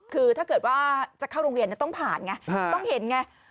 คือถ้าเกิดว่าจะเข้าโรงเรียนต้องผ่านไงต้องเห็นไง